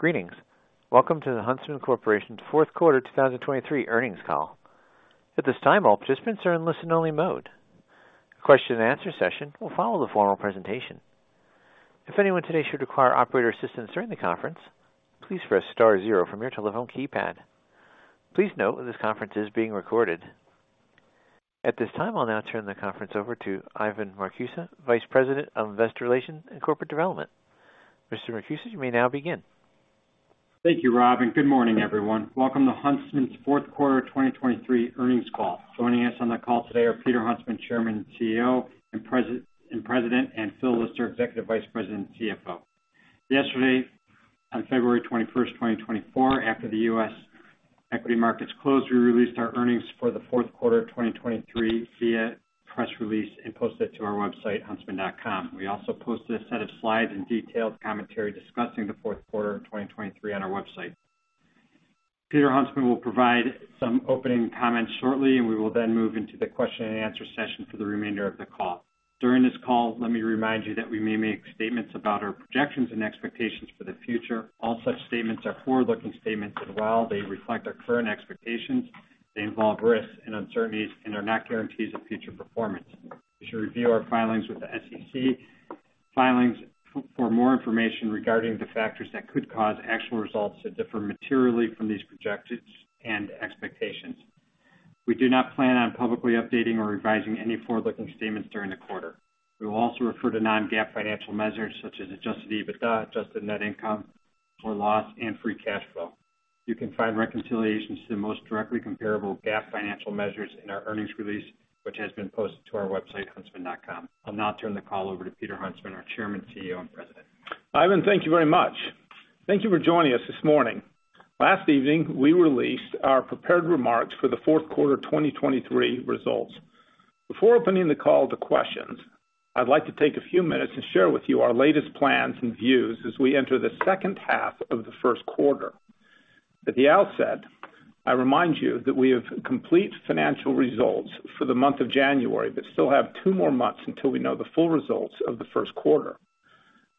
Greetings. Welcome to the Huntsman Corporation's Fourth Quarter 2023 Earnings Call. At this time, all participants are in listen-only mode. A question-and-answer session will follow the formal presentation. If anyone today should require operator assistance during the conference, please press star zero from your telephone keypad. Please note, this conference is being recorded. At this time, I'll now turn the conference over to Ivan Marcuse, Vice President of Investor Relations and Corporate Development. Mr. Marcuse, you may now begin. Thank you, Rob, and good morning, everyone. Welcome to Huntsman's fourth quarter 2023 earnings call. Joining us on the call today are Peter Huntsman, Chairman, CEO, and President, and Phil Lister, Executive Vice President and CFO. Yesterday, on February 21, 2024, after the U.S. equity markets closed, we released our earnings for the fourth quarter of 2023 via press release and posted it to our website, huntsman.com. We also posted a set of slides and detailed commentary discussing the fourth quarter of 2023 on our website. Peter Huntsman will provide some opening comments shortly, and we will then move into the question-and-answer session for the remainder of the call. During this call, let me remind you that we may make statements about our projections and expectations for the future. All such statements are forward-looking statements, and while they reflect our current expectations, they involve risks and uncertainties and are not guarantees of future performance. You should review our filings with the SEC for more information regarding the factors that could cause actual results to differ materially from these projections and expectations. We do not plan on publicly updating or revising any forward-looking statements during the quarter. We will also refer to non-GAAP financial measures such as Adjusted EBITDA, Adjusted Net Income, or loss, and Free Cash Flow. You can find reconciliations to the most directly comparable GAAP financial measures in our earnings release, which has been posted to our website, huntsman.com. I'll now turn the call over to Peter Huntsman, our Chairman, CEO, and President. Ivan, thank you very much. Thank you for joining us this morning. Last evening, we released our prepared remarks for the fourth quarter 2023 results. Before opening the call to questions, I'd like to take a few minutes and share with you our latest plans and views as we enter the second half of the first quarter. At the outset, I remind you that we have complete financial results for the month of January, but still have two more months until we know the full results of the first quarter.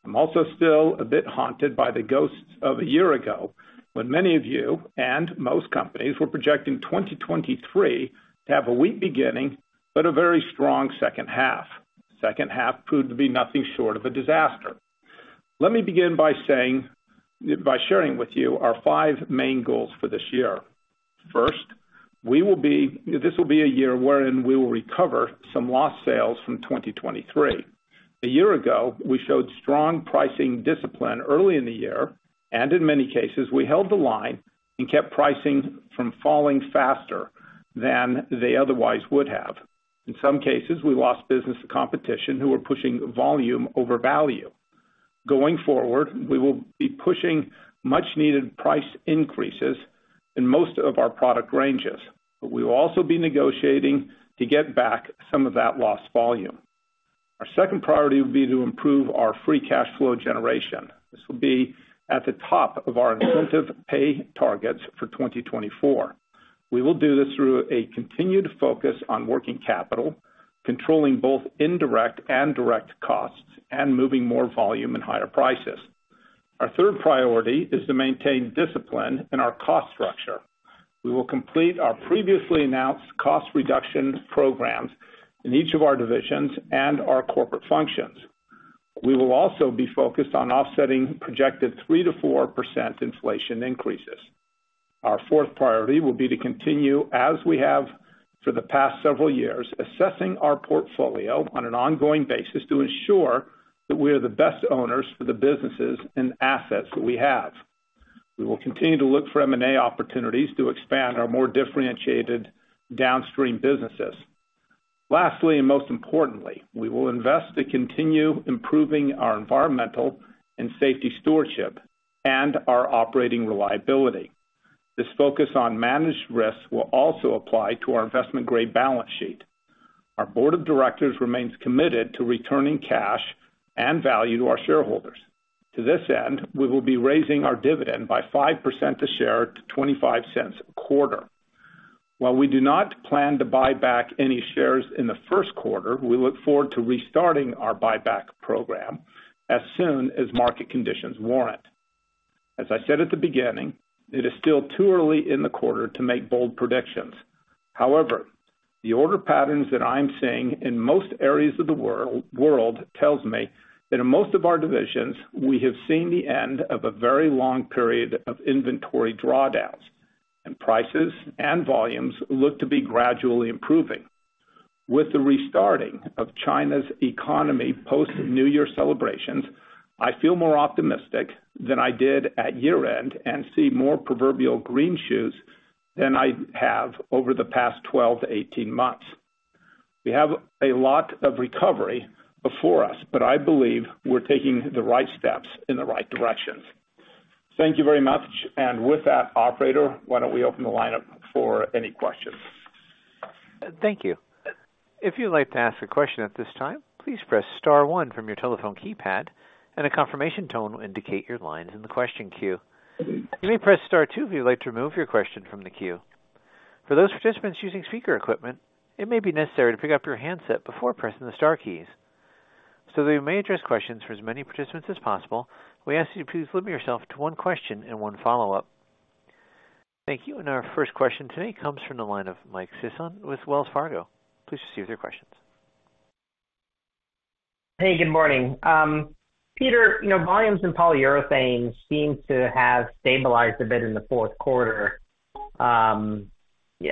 I'm also still a bit haunted by the ghosts of a year ago, when many of you, and most companies, were projecting 2023 to have a weak beginning, but a very strong second half. Second half proved to be nothing short of a disaster. Let me begin by sharing with you our five main goals for this year. First, this will be a year wherein we will recover some lost sales from 2023. A year ago, we showed strong pricing discipline early in the year, and in many cases, we held the line and kept pricing from falling faster than they otherwise would have. In some cases, we lost business to competition, who were pushing volume over value. Going forward, we will be pushing much needed price increases in most of our product ranges, but we will also be negotiating to get back some of that lost volume. Our second priority will be to improve our free cash flow generation. This will be at the top of our incentive pay targets for 2024. We will do this through a continued focus on working capital, controlling both indirect and direct costs, and moving more volume and higher prices. Our third priority is to maintain discipline in our cost structure. We will complete our previously announced cost reduction programs in each of our divisions and our corporate functions. We will also be focused on offsetting projected 3%-4% inflation increases. Our fourth priority will be to continue, as we have for the past several years, assessing our portfolio on an ongoing basis to ensure that we are the best owners for the businesses and assets that we have. We will continue to look for M&A opportunities to expand our more differentiated downstream businesses. Lastly, and most importantly, we will invest to continue improving our environmental and safety stewardship and our operating reliability. This focus on managed risks will also apply to our investment-grade balance sheet. Our board of directors remains committed to returning cash and value to our shareholders. To this end, we will be raising our dividend by 5% a share to $0.25 a quarter. While we do not plan to buy back any shares in the first quarter, we look forward to restarting our buyback program as soon as market conditions warrant. As I said at the beginning, it is still too early in the quarter to make bold predictions. However, the order patterns that I'm seeing in most areas of the world tells me that in most of our divisions, we have seen the end of a very long period of inventory drawdowns, and prices and volumes look to be gradually improving. With the restarting of China's economy post-New Year celebrations, I feel more optimistic than I did at year-end and see more proverbial green shoots than I have over the past 12-18 months. We have a lot of recovery before us, but I believe we're taking the right steps in the right directions. Thank you very much, and with that, operator, why don't we open the line up for any questions? Thank you. If you'd like to ask a question at this time, please press star one from your telephone keypad, and a confirmation tone will indicate your line is in the question queue. You may press star two if you'd like to remove your question from the queue. For those participants using speaker equipment, it may be necessary to pick up your handset before pressing the star keys. So that we may address questions for as many participants as possible, we ask you to please limit yourself to one question and one follow-up. Thank you. Our first question today comes from the line of Mike Sisson with Wells Fargo. Please proceed with your questions. Hey, good morning. Peter, you know, volumes in Polyurethane seem to have stabilized a bit in the fourth quarter. Yeah,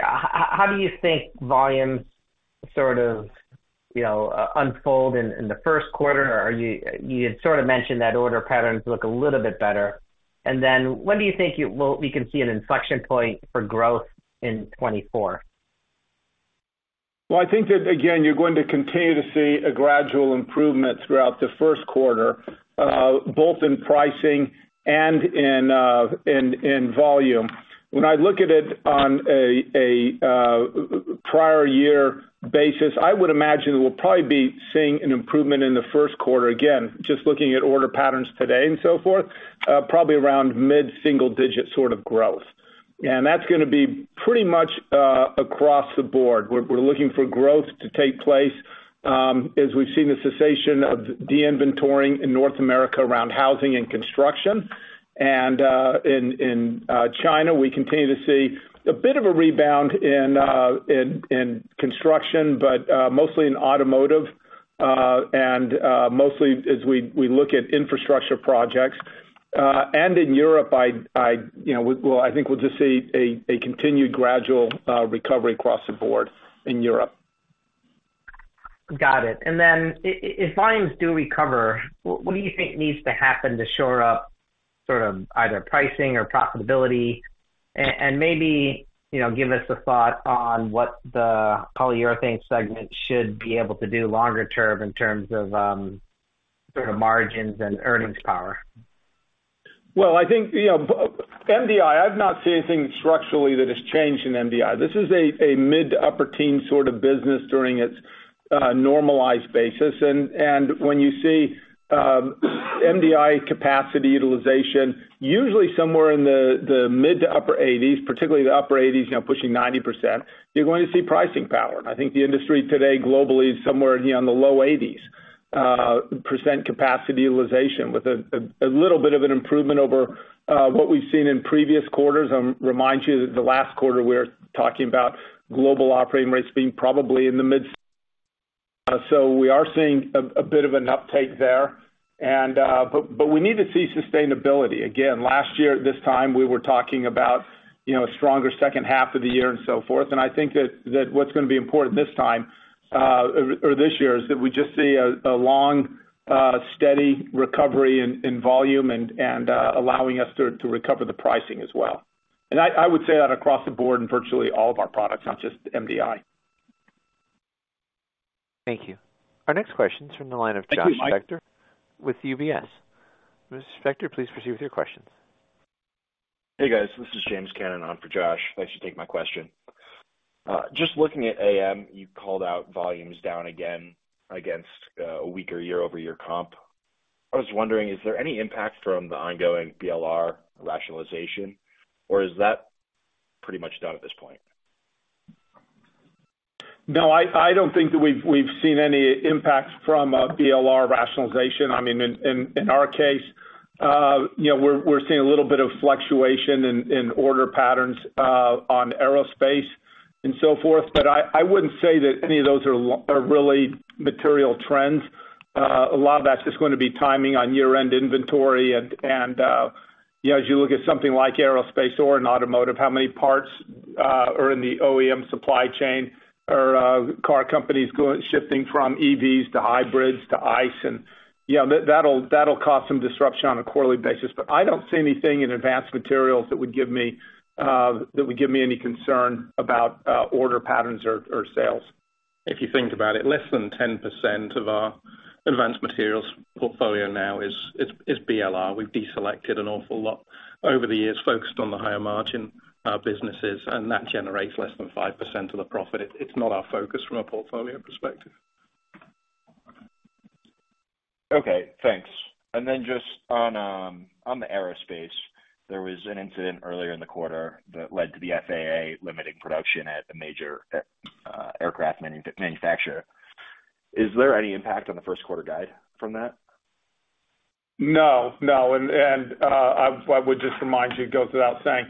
how do you think volumes sort of, you know, unfold in the first quarter? Or you had sort of mentioned that order patterns look a little bit better. And then when do you think you will—we can see an inflection point for growth in 2024? Well, I think that, again, you're going to continue to see a gradual improvement throughout the first quarter, both in pricing and in volume. When I look at it on a prior-year basis, I would imagine we'll probably be seeing an improvement in the first quarter. Again, just looking at order patterns today and so forth, probably around mid-single digit sort of growth. And that's gonna be pretty much across the board. We're looking for growth to take place, as we've seen the cessation of de-inventoring in North America around housing and construction. And in China, we continue to see a bit of a rebound in construction, but mostly in automotive, and mostly as we look at infrastructure projects. In Europe, you know, well, I think we'll just see a continued gradual recovery across the board in Europe. Got it. And then if volumes do recover, what do you think needs to happen to shore up sort of either pricing or profitability? And maybe, you know, give us a thought on what the Polyurethanes segment should be able to do longer term in terms of, sort of margins and earnings power. Well, I think, you know, MDI, I've not seen anything structurally that has changed in MDI. This is a mid- to upper-teens sort of business during its normalized basis. And when you see MDI capacity utilization, usually somewhere in the mid- to upper 80s, particularly the upper 80s, you know, pushing 90%, you're going to see pricing power. I think the industry today, globally, is somewhere in the low 80s% capacity utilization, with a little bit of an improvement over what we've seen in previous quarters. Remind you that the last quarter, we were talking about global operating rates being probably in the mid—so we are seeing a bit of an uptake there, and but we need to see sustainability. Again, last year at this time, we were talking about, you know, a stronger second half of the year and so forth. And I think that what's gonna be important this time, or this year, is that we just see a long, steady recovery in volume and allowing us to recover the pricing as well. And I would say that across the board in virtually all of our products, not just MDI. Thank you. Our next question is from the line of Josh Spector— Thank you, Mike. With UBS. Mr. Spector, please proceed with your questions. Hey, guys, this is James Cannon on for Josh. Thanks for taking my question. Just looking at AM, you called out volumes down again against a weaker year-over-year comp. I was wondering, is there any impact from the ongoing BLR rationalization, or is that pretty much done at this point? No, I don't think that we've seen any impact from BLR rationalization. I mean, in our case, you know, we're seeing a little bit of fluctuation in order patterns on aerospace and so forth, but I wouldn't say that any of those are really material trends. A lot of that's just gonna be timing on year-end inventory. And, you know, as you look at something like aerospace or in automotive, how many parts are in the OEM supply chain or car companies shifting from EVs to hybrids to ICE, and, you know, that'll cause some disruption on a quarterly basis. But I don't see anything in Advanced Materials that would give me that would give me any concern about order patterns or sales. If you think about it, less than 10% of our Advanced Materials portfolio now is BLR. We've deselected an awful lot over the years, focused on the higher margin businesses, and that generates less than 5% of the profit. It's not our focus from a portfolio perspective. Okay, thanks. And then just on the aerospace, there was an incident earlier in the quarter that led to the FAA limiting production at a major aircraft manufacturer. Is there any impact on the first quarter guide from that? No. No, I would just remind you, it goes without saying,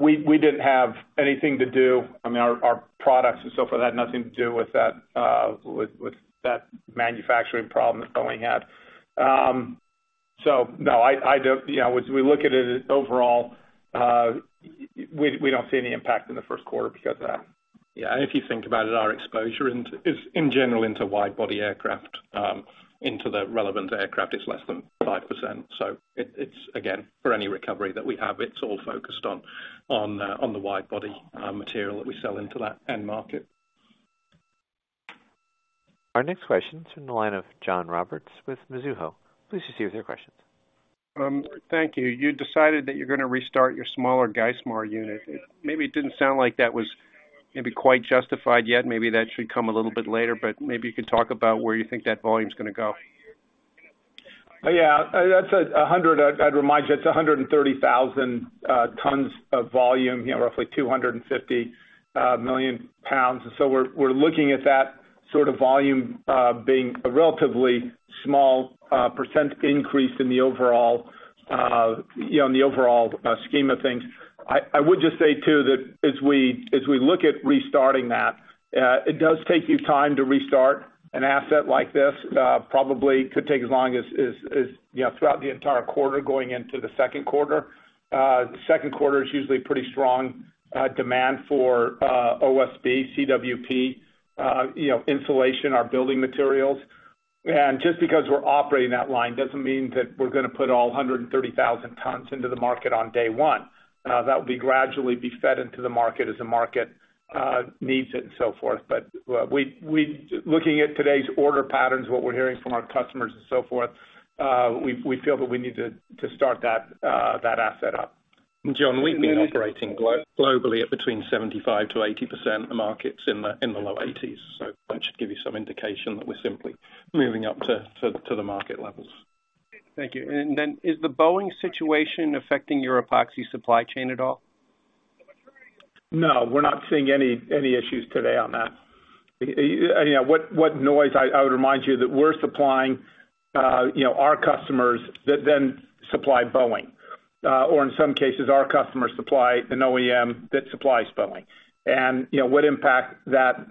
we didn't have anything to do—I mean, our products and so forth had nothing to do with that, with that manufacturing problem that Boeing had. So no, I don't, you know, we look at it overall, we don't see any impact in the first quarter because of that. Yeah, and if you think about it, our exposure is in general into wide body aircraft, into the relevant aircraft is less than 5%. So it's, again, for any recovery that we have, it's all focused on the wide body material that we sell into that end market. Our next question is from the line of John Roberts with Mizuho. Please proceed with your questions. Thank you. You decided that you're gonna restart your smaller Geismar unit. Maybe it didn't sound like that was maybe quite justified yet. Maybe that should come a little bit later, but maybe you could talk about where you think that volume's gonna go. Yeah, that's 100, I'd remind you, it's 130,000 tons of volume, you know, roughly 250 million pounds. And so we're looking at that sort of volume being a relatively small percent increase in the overall, you know, in the overall scheme of things. I would just say too, that as we look at restarting that, it does take time to restart an asset like this. Probably could take as long as, you know, throughout the entire quarter, going into the second quarter. The second quarter is usually pretty strong demand for OSB, CWP, you know, insulation, our building materials. And just because we're operating that line, doesn't mean that we're gonna put all 130,000 tons into the market on day one. That will gradually be fed into the market as the market needs it and so forth. But, looking at today's order patterns, what we're hearing from our customers and so forth, we feel that we need to start that asset up. John, we've been operating globally at between 75%-80%, the market's in the low 80s. So that should give you some indication that we're simply moving up to the market levels. Thank you. And then is the Boeing situation affecting your epoxy supply chain at all? No, we're not seeing any issues today on that. You know, I would remind you that we're supplying our customers that then supply Boeing, or in some cases, our customers supply an OEM that supplies Boeing. You know, what impact that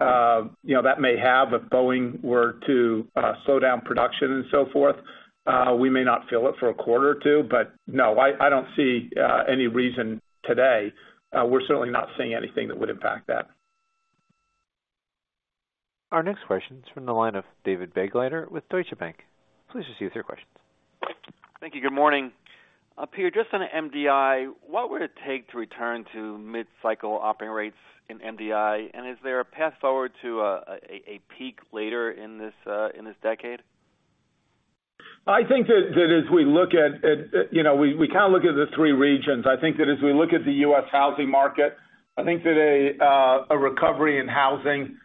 may have if Boeing were to slow down production and so forth, we may not feel it for a quarter or two. But no, I don't see any reason today. We're certainly not seeing anything that would impact that. Our next question is from the line of David Begleiter with Deutsche Bank. Please proceed with your questions. Thank you. Good morning. Peter, just on MDI, what would it take to return to mid-cycle operating rates in MDI? And is there a path forward to a peak later in this decade? I think that as we look at you know we kind of look at the three regions. I think that as we look at the U.S. housing market, I think that a recovery in housing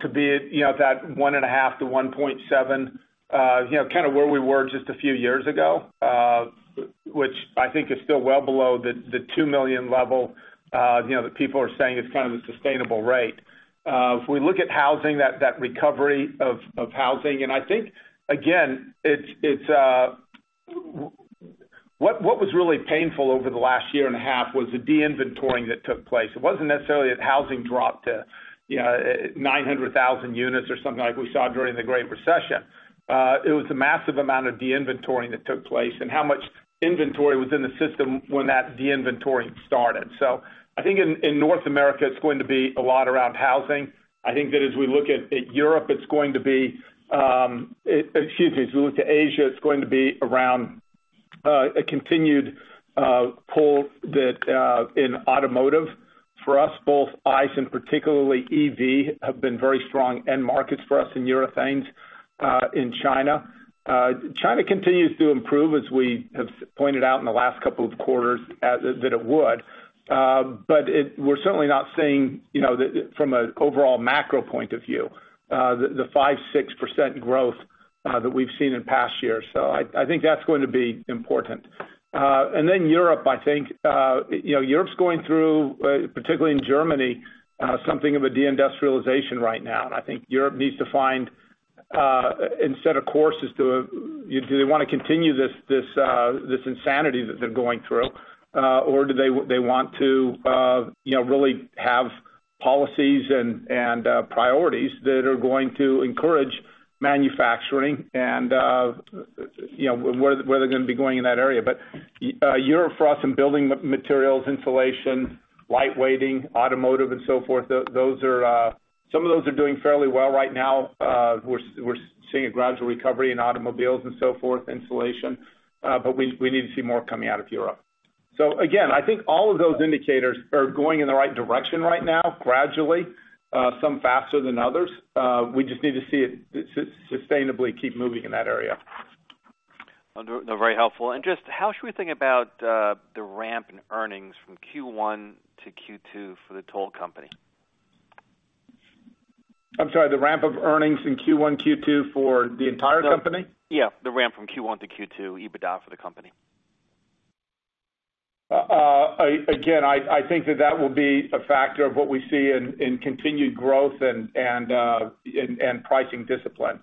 could be at you know that 1.5-1.7 you know kind of where we were just a few years ago which I think is still well below the 2 million level you know that people are saying is kind of the sustainable rate. If we look at housing that recovery of housing and I think again it's—what was really painful over the last year and a half was the de-inventoring that took place. It wasn't necessarily that housing dropped to, you know, 900,000 units or something like we saw during the Great Recession. It was a massive amount of de-inventoring that took place and how much inventory was in the system when that de-inventoring started. So I think in North America, it's going to be a lot around housing. I think that as we look at Europe, it's going to be, as we look to Asia, it's going to be around a continued pull that in automotive. For us, both ICE and particularly EV, have been very strong end markets for us in urethanes in China. China continues to improve, as we have pointed out in the last couple of quarters, that it would. But it—we're certainly not seeing, you know, the, from an overall macro point of view, the five, six percent growth that we've seen in past years. So I, I think that's going to be important. And then Europe, I think, you know, Europe's going through, particularly in Germany, something of a de-industrialization right now. And I think Europe needs to find, instead of courses to, do they want to continue this, this, this insanity that they're going through, or do they, they want to, you know, really have policies and, and, priorities that are going to encourage manufacturing and, you know, where, where they're gonna be going in that area. But Europe for us in building materials, insulation, lightweighting, automotive, and so forth, those are some of those doing fairly well right now. We're seeing a gradual recovery in automobiles and so forth, insulation, but we need to see more coming out of Europe. So again, I think all of those indicators are going in the right direction right now, gradually, some faster than others. We just need to see it sustainably keep moving in that area. Very helpful. Just how should we think about the ramp in earnings from Q1 to Q2 for the whole company? I'm sorry, the ramp of earnings from Q1, Q2 for the entire company? Yeah, the ramp from Q1 to Q2, EBITDA for the company. Again, I think that will be a factor of what we see in continued growth and pricing discipline,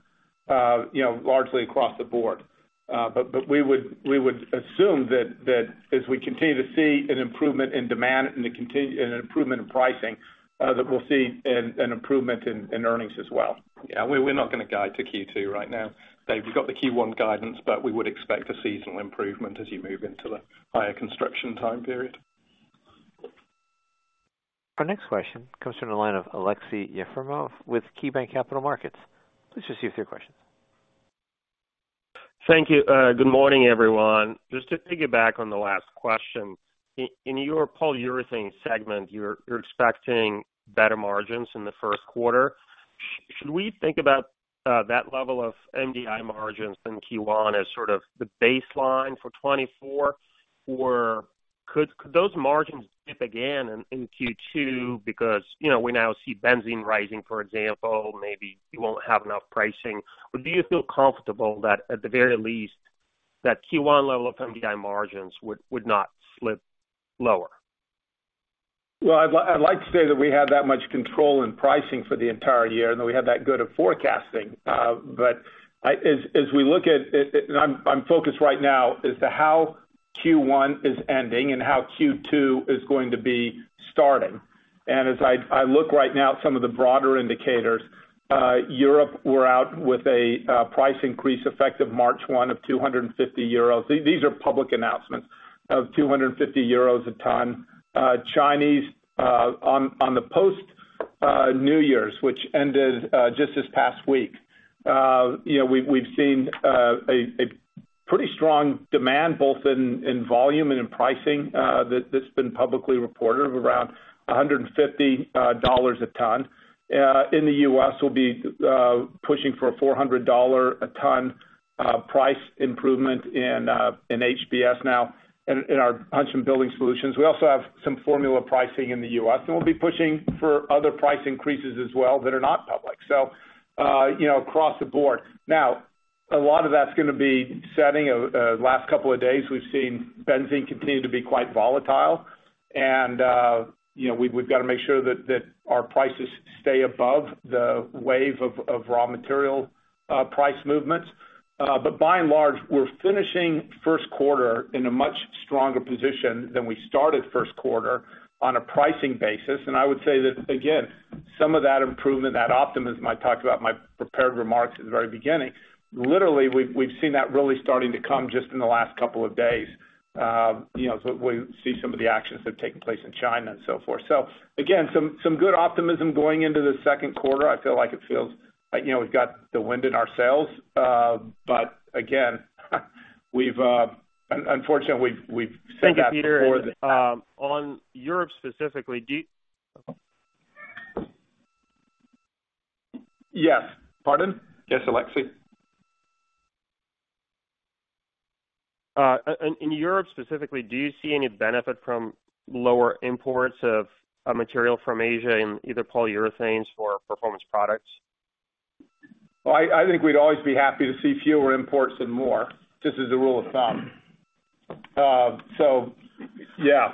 you know, largely across the board. But we would assume that as we continue to see an improvement in demand and an improvement in pricing, that we'll see an improvement in earnings as well. Yeah, we're not gonna guide to Q2 right now. Dave, you've got the Q1 guidance, but we would expect a seasonal improvement as you move into the higher construction time period. Our next question comes from the line of Aleksey Yefremov with KeyBanc Capital Markets. Please state your questions. Thank you. Good morning, everyone. Just to piggyback on the last question, in your Polyurethane segment, you're expecting better margins in the first quarter. Should we think about that level of MDI margins in Q1 as sort of the baseline for 2024, or could those margins dip again in Q2? Because, you know, we now see benzene rising, for example, maybe you won't have enough pricing. Or do you feel comfortable that, at the very least, that Q1 level of MDI margins would not slip lower? Well, I'd like, I'd like to say that we have that much control in pricing for the entire year, and that we have that good of forecasting. But as we look at, and I'm focused right now as to how Q1 is ending and how Q2 is going to be starting. And as I look right now at some of the broader indicators, Europe, we're out with a price increase effective March 1 of 250 euros. These are public announcements, of 250 euros a ton. Chinese on the post-New Year's, which ended just this past week, you know, we've seen a pretty strong demand, both in volume and in pricing, that's been publicly reported of around $150 a ton. In the US, we'll be pushing for a $400 a ton price improvement in HBS now, in our Huntsman Building Solutions. We also have some formula pricing in the US, and we'll be pushing for other price increases as well that are not public. So, you know, across the board. Now, a lot of that's gonna be setting. Last couple of days, we've seen benzene continue to be quite volatile, and you know, we've got to make sure that our prices stay above the wave of raw material price movements. But by and large, we're finishing first quarter in a much stronger position than we started first quarter on a pricing basis. And I would say that, again, some of that improvement, that optimism I talked about in my prepared remarks at the very beginning, literally, we've seen that really starting to come just in the last couple of days. You know, so we see some of the actions that have taken place in China and so forth. So again, some good optimism going into the second quarter. I feel like it feels like, you know, we've got the wind in our sails. But again, we've unfortunately said that before. Thank you, Peter. On Europe specifically, do— Yes. Pardon? Yes, Aleksey. In Europe specifically, do you see any benefit from lower imports of material from Asia in either Polyurethanes or performance products? Well, I think we'd always be happy to see fewer imports than more, just as a rule of thumb. So yeah,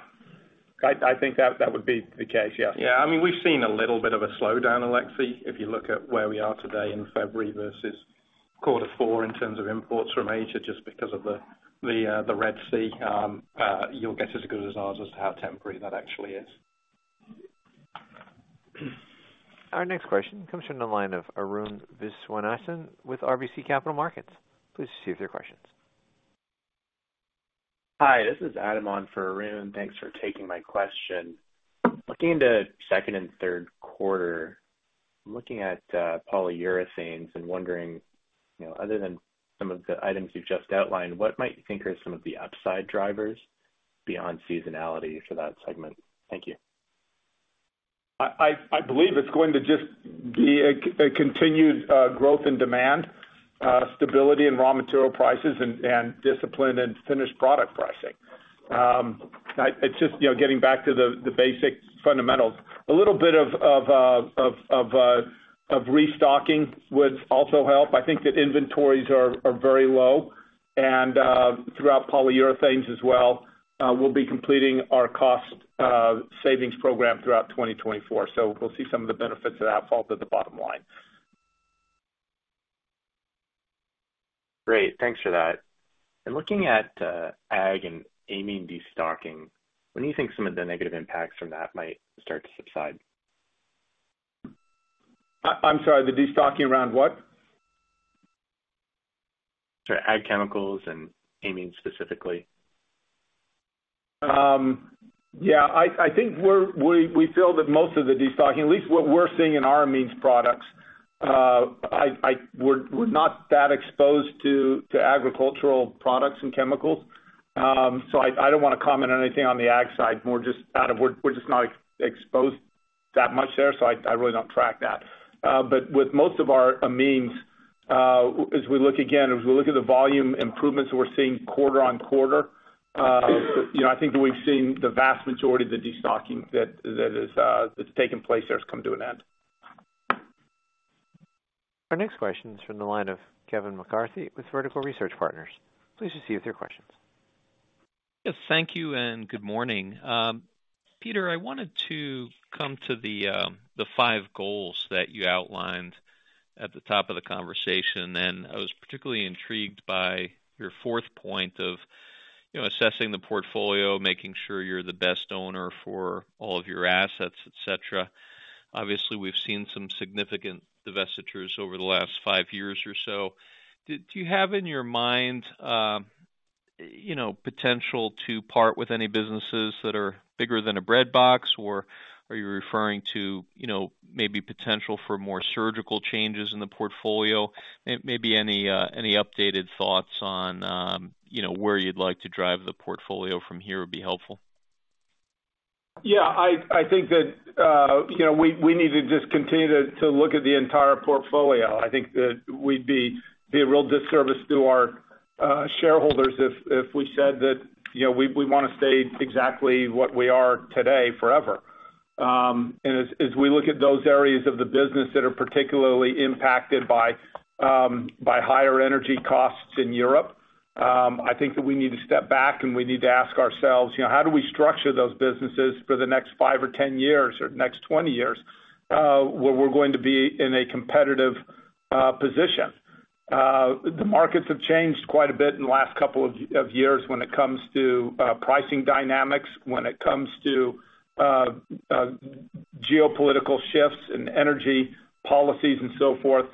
I think that would be the case, yes. Yeah, I mean, we've seen a little bit of a slowdown, Alexei, if you look at where we are today in February versus quarter four in terms of imports from Asia, just because of the Red Sea. You'll get as good as ours as to how temporary that actually is. Our next question comes from the line of Arun Viswanathan with RBC Capital Markets. Please proceed with your questions. Hi, this is Adam on for Arun. Thanks for taking my question. Looking into second and third quarter, looking at Polyurethanes and wondering, you know, other than some of the items you've just outlined, what might you think are some of the upside drivers beyond seasonality for that segment? Thank you. I believe it's going to just be a continued growth in demand, stability in raw material prices and discipline in finished product pricing. It's just, you know, getting back to the basic fundamentals. A little bit of restocking would also help. I think that inventories are very low and throughout Polyurethanes as well. We'll be completing our cost savings program throughout 2024, so we'll see some of the benefits of that fall to the bottom line. Great, thanks for that. Looking at ag and amine destocking, when do you think some of the negative impacts from that might start to subside? I'm sorry, the destocking around what? Sorry, ag chemicals and amines specifically. Yeah, I think we feel that most of the destocking, at least what we're seeing in our amines products, has come to an end. We're not that exposed to agricultural products and chemicals, so I don't wanna comment on anything on the ag side. We're just not exposed that much there, so I really don't track that. But with most of our amines, as we look again at the volume improvements we're seeing quarter-over-quarter, you know, I think we've seen the vast majority of the destocking that's taken place there has come to an end. Our next question is from the line of Kevin McCarthy with Vertical Research Partners. Please proceed with your questions. Yes, thank you, and good morning. Peter, I wanted to come to the, the five goals that you outlined at the top of the conversation, and I was particularly intrigued by your fourth point of, you know, assessing the portfolio, making sure you're the best owner for all of your assets, et cetera. Obviously, we've seen some significant divestitures over the last five years or so. Do you have in your mind, you know, potential to part with any businesses that are bigger than a breadbox, or are you referring to, you know, maybe potential for more surgical changes in the portfolio? Maybe any, any updated thoughts on, you know, where you'd like to drive the portfolio from here would be helpful. Yeah, I think that, you know, we need to just continue to look at the entire portfolio. I think that we'd be a real disservice to our shareholders if we said that, you know, we wanna stay exactly what we are today forever. As we look at those areas of the business that are particularly impacted by higher energy costs in Europe, I think that we need to step back, and we need to ask ourselves: You know, how do we structure those businesses for the next five or 10 years or next 20 years, where we're going to be in a competitive position? The markets have changed quite a bit in the last couple of years when it comes to pricing dynamics, when it comes to geopolitical shifts and energy policies and so forth.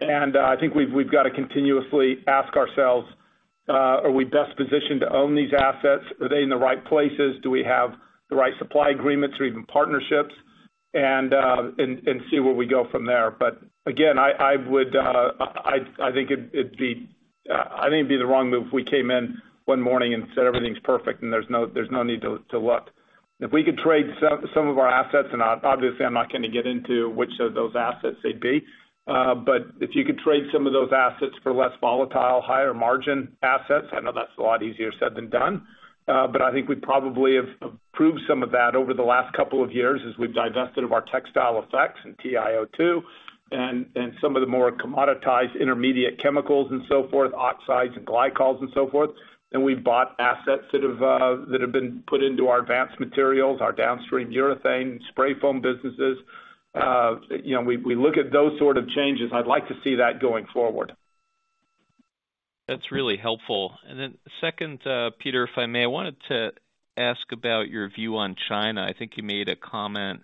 And I think we've got to continuously ask ourselves: Are we best positioned to own these assets? Are they in the right places? Do we have the right supply agreements or even partnerships? And see where we go from there. But again, I would, I think it'd be the wrong move if we came in one morning and said, "Everything's perfect, and there's no need to look." If we could trade some of our assets, and obviously, I'm not gonna get into which of those assets they'd be, but if you could trade some of those assets for less volatile, higher margin assets, I know that's a lot easier said than done, but I think we probably have proved some of that over the last couple of years as we've divested of our Textile Effects and TiO2, and some of the more commoditized intermediate chemicals and so forth, oxides and glycols and so forth, then we bought assets that have been put into our Advanced Materials, our downstream urethane spray foam businesses. You know, we look at those sort of changes. I'd like to see that going forward. That's really helpful. And then second, Peter, if I may, I wanted to ask about your view on China. I think you made a comment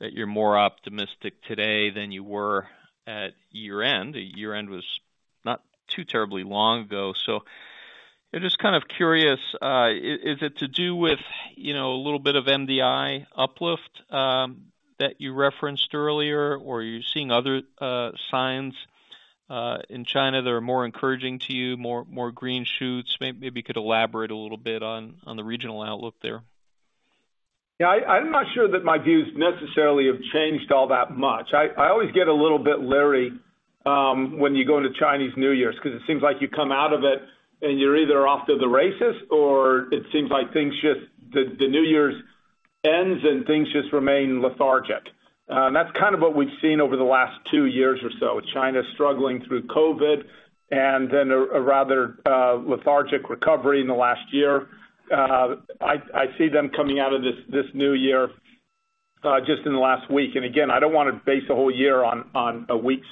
that you're more optimistic today than you were at year-end. The year-end was not too terribly long ago. So I'm just kind of curious, is it to do with, you know, a little bit of MDI uplift, that you referenced earlier, or are you seeing other signs, in China that are more encouraging to you, more, more green shoots? Maybe you could elaborate a little bit on, on the regional outlook there. Yeah, I'm not sure that my views necessarily have changed all that much. I always get a little bit leery when you go into Chinese New Year's, 'cause it seems like you come out of it, and you're either off to the races, or it seems like things just—the New Year's ends, and things just remain lethargic. That's kind of what we've seen over the last two years or so, China struggling through COVID and then a rather lethargic recovery in the last year. I see them coming out of this new year just in the last week. And again, I don't wanna base a whole year on a week's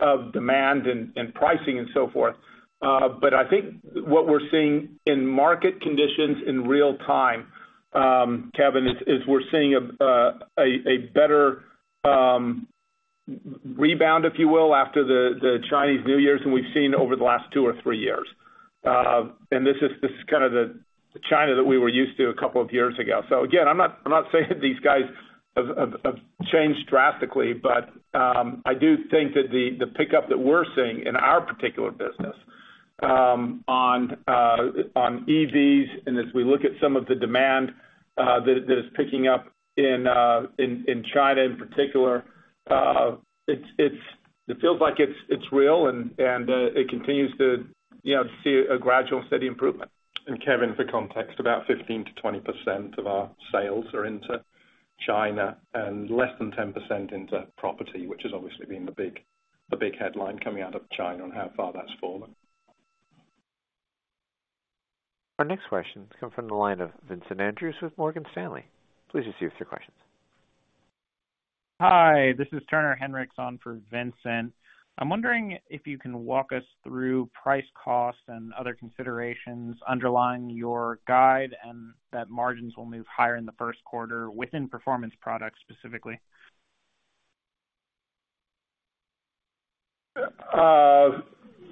of demand and pricing and so forth. But I think what we're seeing in market conditions in real time, Kevin, is we're seeing a better rebound, if you will, after the Chinese New Year's than we've seen over the last two or three years. And this is kind of the China that we were used to a couple of years ago. So again, I'm not saying that these guys have changed drastically, but I do think that the pickup that we're seeing in our particular business, on EVs, and as we look at some of the demand that is picking up in China in particular, it feels like it's real and it continues to, you know, see a gradual steady improvement. Kevin, for context, about 15%-20% of our sales are into China and less than 10% into property, which has obviously been the big, the big headline coming out of China and how far that's fallen. Our next question comes from the line of Vincent Andrews with Morgan Stanley. Please proceed with your questions. Hi, this is Turner Hinrichs on for Vincent. I'm wondering if you can walk us through price, cost, and other considerations underlying your guide, and that margins will move higher in the first quarter within Performance Products specifically.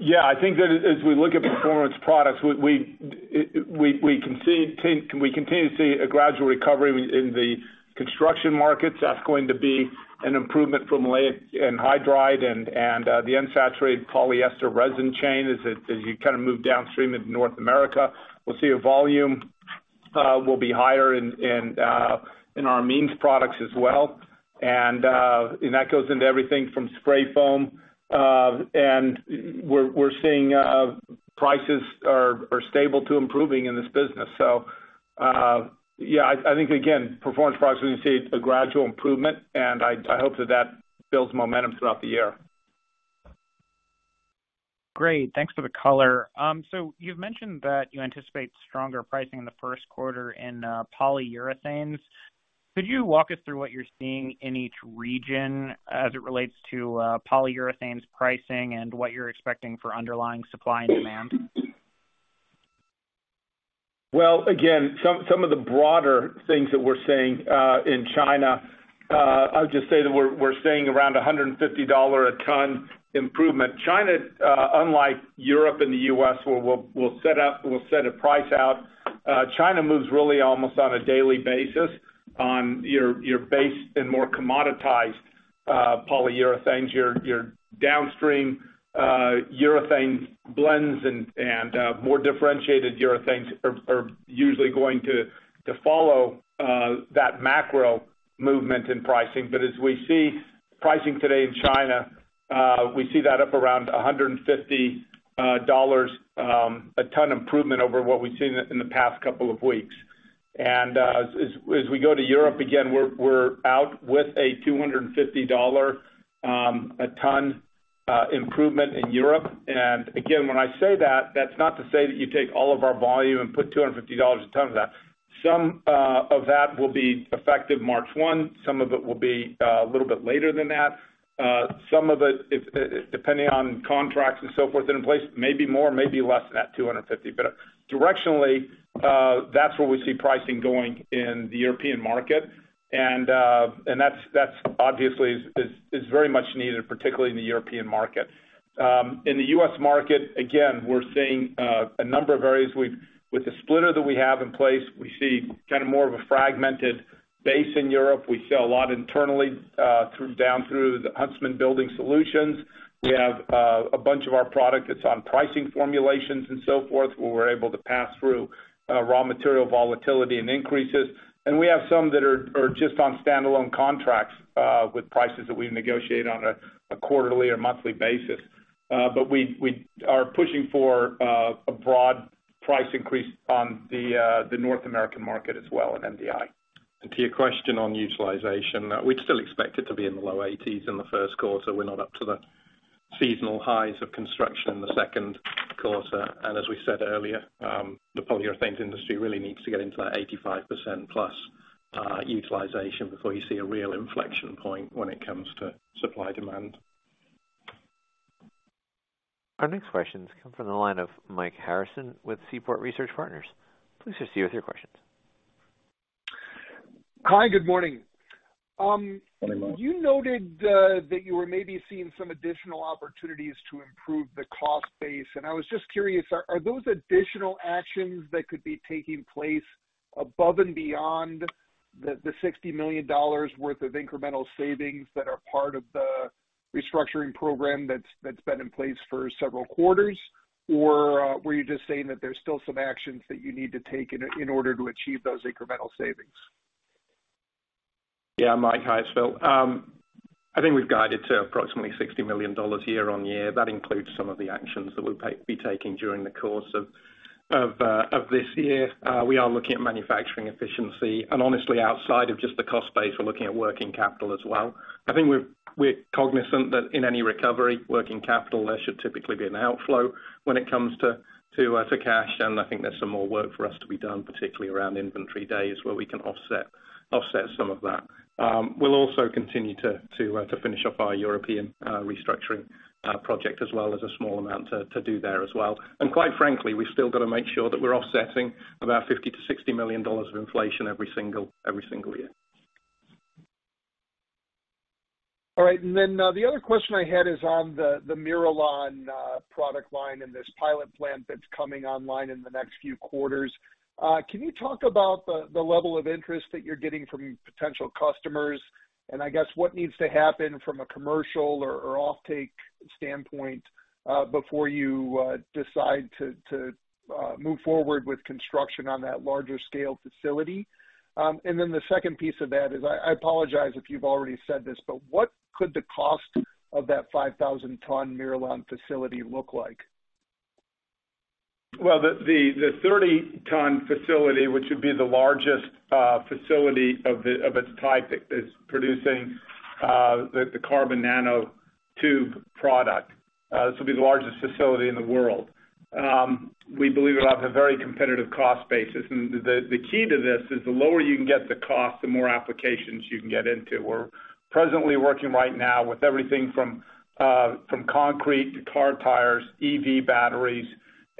Yeah, I think that as we look at Performance Products, we continue to see a gradual recovery in the construction markets. That's going to be an improvement from maleic anhydride and the unsaturated polyester resin chain, as you kind of move downstream into North America. We'll see a volume will be higher in our amines products as well. And that goes into everything from spray foam. And we're seeing prices are stable to improving in this business. So, yeah, I think, again, Performance Products, we're gonna see a gradual improvement, and I hope that that builds momentum throughout the year. Great, thanks for the color. So you've mentioned that you anticipate stronger pricing in the first quarter in Polyurethanes. Could you walk us through what you're seeing in each region as it relates to Polyurethanes pricing and what you're expecting for underlying supply and demand? Well, again, some of the broader things that we're seeing in China, I'll just say that we're seeing around $150 a ton improvement. China, unlike Europe and the US, where we'll set a price out, China moves really almost on a daily basis on your base and more commoditized Polyurethanes, your downstream urethane blends and more differentiated urethanes are usually going to follow that macro movement in pricing. But as we see pricing today in China, we see that up around $150 a ton improvement over what we've seen in the past couple of weeks. And as we go to Europe, again, we're out with a $250 a ton improvement in Europe. And again, when I say that, that's not to say that you take all of our volume and put $250 a ton to that. Some of that will be effective March 1, some of it will be a little bit later than that. Some of it, depending on contracts and so forth in place, may be more, may be less than that 250. But directionally, that's where we see pricing going in the European market. And, and that's, that's obviously is very much needed, particularly in the European market. In the U.S. market, again, we're seeing a number of areas. With the splitter that we have in place, we see kind of more of a fragmented base in Europe. We sell a lot internally through down through the Huntsman Building Solutions. We have a bunch of our product that's on pricing formulations and so forth, where we're able to pass through raw material volatility and increases. And we have some that are just on standalone contracts with prices that we negotiate on a quarterly or monthly basis. But we are pushing for a broad price increase on the North American market as well in MDI. To your question on utilization, we'd still expect it to be in the low 80s in the first quarter. We're not up to the seasonal highs of construction in the second quarter. As we said earlier, the Polyurethanes industry really needs to get into that 85%+ utilization before you see a real inflection point when it comes to supply-demand. Our next questions come from the line of Mike Harrison with Seaport Research Partners. Please proceed with your questions. Hi, good morning. Good morning, Mike. You noted that you were maybe seeing some additional opportunities to improve the cost base, and I was just curious, are those additional actions that could be taking place above and beyond the $60 million worth of incremental savings that are part of the restructuring program that's been in place for several quarters? Or, were you just saying that there's still some actions that you need to take in order to achieve those incremental savings? Yeah, Mike, hi, it's Phil. I think we've guided to approximately $60 million year-on-year. That includes some of the actions that we'll be taking during the course of this year. We are looking at manufacturing efficiency, and honestly, outside of just the cost base, we're looking at working capital as well. I think we're cognizant that in any recovery, working capital, there should typically be an outflow when it comes to cash. And I think there's some more work for us to be done, particularly around inventory days, where we can offset some of that. We'll also continue to finish off our European restructuring project, as well as a small amount to do there as well. Quite frankly, we've still got to make sure that we're offsetting about $50 million-$60 million of inflation every single year. All right. Then, the other question I had is on the MIRALON product line and this pilot plant that's coming online in the next few quarters. Can you talk about the level of interest that you're getting from potential customers? And I guess, what needs to happen from a commercial or offtake standpoint, before you decide to move forward with construction on that larger scale facility? And then the second piece of that is, I apologize if you've already said this, but what could the cost of that 5,000-ton MIRALON facility look like? Well, the 30-ton facility, which would be the largest facility of its type, that's producing the carbon nanotube product, this will be the largest facility in the world. We believe it will have a very competitive cost basis, and the key to this is, the lower you can get the cost, the more applications you can get into. We're presently working right now with everything from concrete to car tires, EV batteries,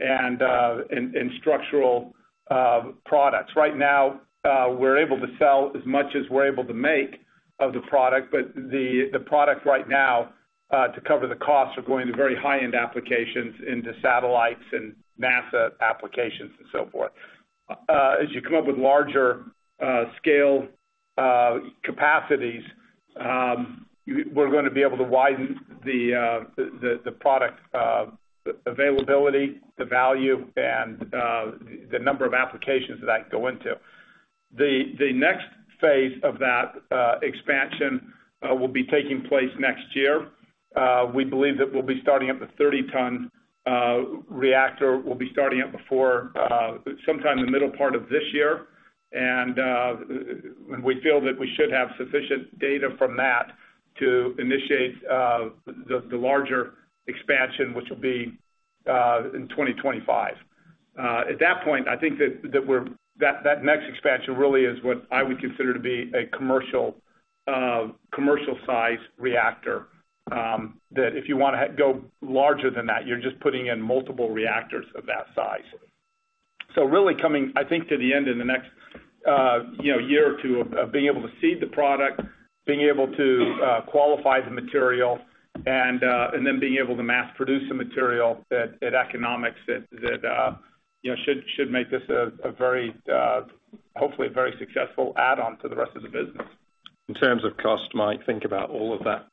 and structural products. Right now, we're able to sell as much as we're able to make of the product, but the product right now, to cover the costs, are going to very high-end applications into satellites and NASA applications and so forth. As you come up with larger scale capacities, we're gonna be able to widen the product availability, the value, and the number of applications that go into. The next phase of that expansion will be taking place next year. We believe that we'll be starting up the 30-ton reactor. We'll be starting it before sometime in the middle part of this year, and we feel that we should have sufficient data from that to initiate the larger expansion, which will be in 2025. At that point, I think that next expansion really is what I would consider to be a commercial commercial-size reactor. That if you wanna go larger than that, you're just putting in multiple reactors of that size. So really coming, I think, to the end in the next, you know, year or two, of being able to see the product, being able to qualify the material and then being able to mass produce the material that economics that you know should make this a very, hopefully a very successful add-on to the rest of the business. In terms of cost, Mike, think about all of that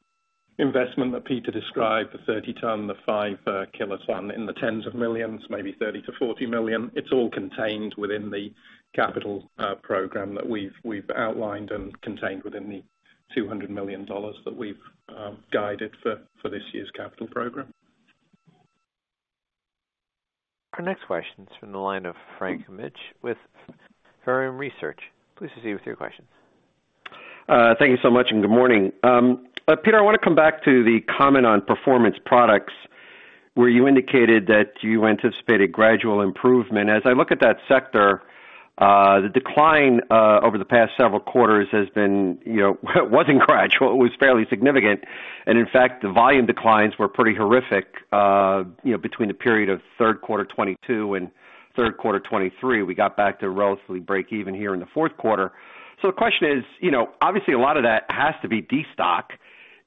investment that Peter described, the 30-ton, the 5-kiloton in the tens of millions, maybe $30-$40 million. It's all contained within the capital program that we've, we've outlined and contained within the $200 million that we've guided for, for this year's capital program. Our next question is from the line of Frank Mitsch with Fermium Research. Please proceed with your questions. Thank you so much, and good morning. Peter, I wanna come back to the comment on Performance Products, where you indicated that you anticipated gradual improvement. As I look at that sector, the decline over the past several quarters has been, you know, wasn't gradual, it was fairly significant. In fact, the volume declines were pretty horrific, you know, between the period of third quarter 2022 and third quarter 2023, we got back to relatively break even here in the fourth quarter. So the question is, you know, obviously, a lot of that has to be destock.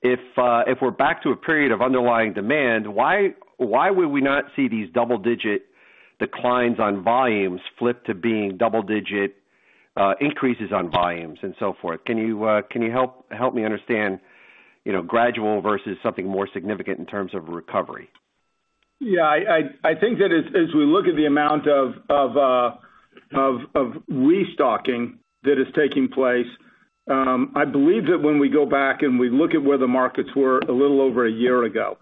If we're back to a period of underlying demand, why would we not see these double-digit declines on volumes flip to being double-digit increases on volumes and so forth? Can you help me understand, you know, gradual versus something more significant in terms of recovery? Yeah, I think that as we look at the amount of restocking that is taking place, I believe that when we go back and we look at where the markets were a little over a year ago,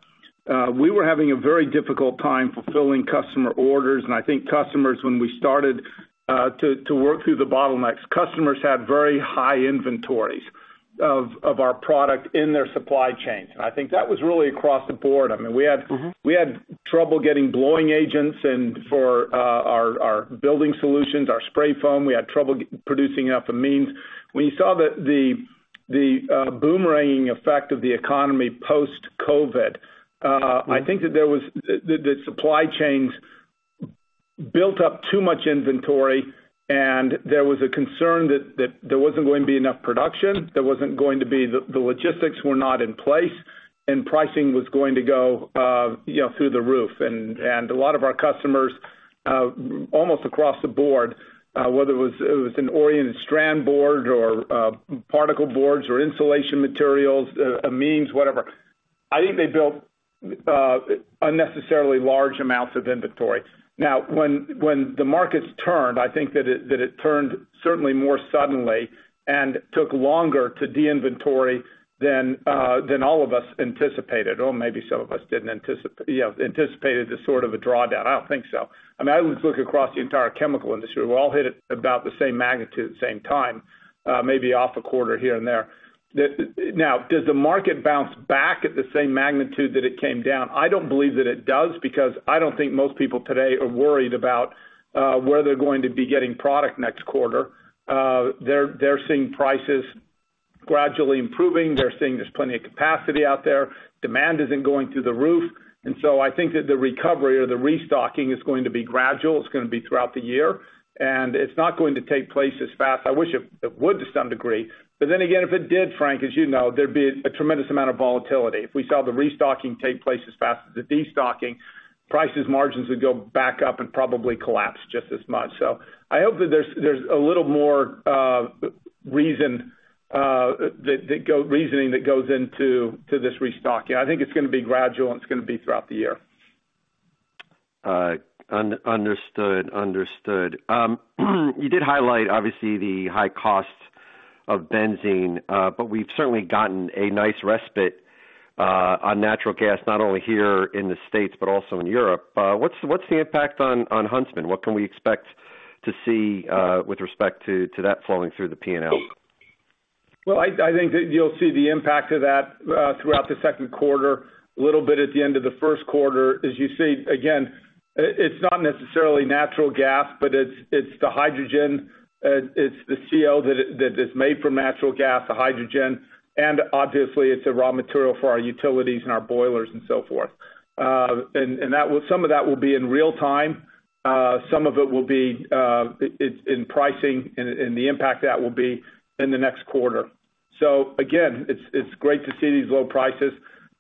we were having a very difficult time fulfilling customer orders, and I think customers, when we started to work through the bottlenecks, customers had very high inventories of our product in their supply chain. I think that was really across the board. I mean, we had trouble getting blowing agents and for our building solutions, our spray foam, we had trouble producing enough amines. When you saw the boomeranging effect of the economy post-COVID. I think that there was, the supply chains built up too much inventory, and there was a concern that, that there wasn't going to be enough production, there wasn't going to be—the, the logistics were not in place, and pricing was going to go, you know, through the roof. And, a lot of our customers, almost across the board, whether it was an oriented strand board or, particle boards or insulation materials, amines, whatever, I think they built, unnecessarily large amounts of inventory. Now, when the markets turned, I think that it, that it turned certainly more suddenly and took longer to de-inventory than, than all of us anticipated this sort of a drawdown. I don't think so. I mean, I always look across the entire chemical industry. We're all hit at about the same magnitude, the same time, maybe off a quarter here and there. Now, does the market bounce back at the same magnitude that it came down? I don't believe that it does, because I don't think most people today are worried about where they're going to be getting product next quarter. They're seeing prices gradually improving. They're seeing there's plenty of capacity out there. Demand isn't going through the roof, and so I think that the recovery or the restocking is going to be gradual. It's gonna be throughout the year, and it's not going to take place as fast. I wish it would to some degree, but then again, if it did, Frank, as you know, there'd be a tremendous amount of volatility. If we saw the restocking take place as fast as the destocking, prices margins would go back up and probably collapse just as much. So I hope that there's a little more reason that goes into this restocking. I think it's gonna be gradual, and it's gonna be throughout the year. Understood. You did highlight, obviously, the high costs of benzene, but we've certainly gotten a nice respite on natural gas, not only here in the States, but also in Europe. What's the impact on Huntsman? What can we expect to see with respect to that flowing through the P&L? Well, I think that you'll see the impact of that throughout the second quarter, a little bit at the end of the first quarter. As you see, again, it's not necessarily natural gas, but it's the hydrogen, it's the CO that is made from natural gas, the hydrogen, and obviously, it's a raw material for our utilities and our boilers and so forth. And that will, some of that will be in real time. Some of it will be, it's in pricing, and the impact that will be in the next quarter. So again, it's great to see these low prices.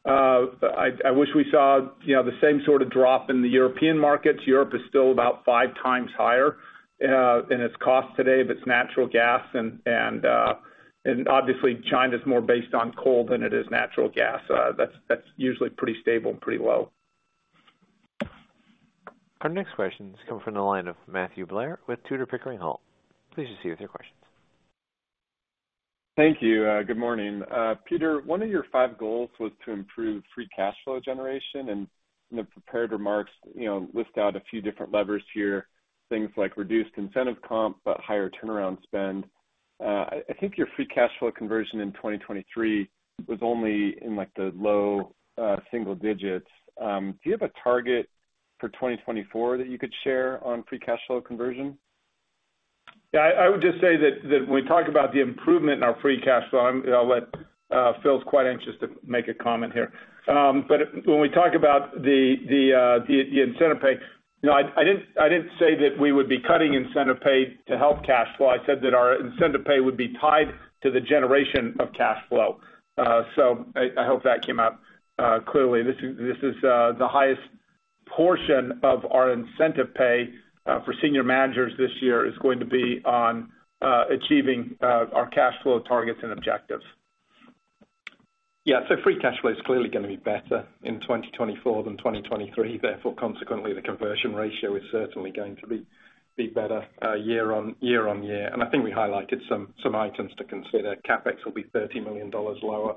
I wish we saw, you know, the same sort of drop in the European markets. Europe is still about 5x higher in its cost today of its natural gas, and obviously, China's more based on coal than it is natural gas. That's usually pretty stable and pretty low. Our next question comes from the line of Matthew Blair with Tudor, Pickering, Holt. Please proceed with your questions. Thank you, good morning. Peter, one of your five goals was to improve free cash flow generation, and in the prepared remarks, you know, list out a few different levers here, things like reduced incentive comp, but higher turnaround spend. I think your free cash flow conversion in 2023 was only in, like, the low single digits. Do you have a target for 2024 that you could share on free cash flow conversion? Yeah, I would just say that when we talk about the improvement in our free cash flow, I'm—and I'll let Phil's quite anxious to make a comment here. But when we talk about the incentive pay, you know, I didn't say that we would be cutting incentive pay to help cash flow. I said that our incentive pay would be tied to the generation of cash flow. So I hope that came out clearly. This is the highest portion of our incentive pay for senior managers this year is going to be on achieving our cash flow targets and objectives. Yeah, so free cash flow is clearly gonna be better in 2024 than 2023, therefore, consequently, the conversion ratio is certainly going to be better year on year. And I think we highlighted some items to consider. CapEx will be $30 million lower.